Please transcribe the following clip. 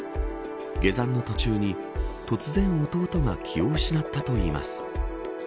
下山の途中に突然弟が気を失ったといいます。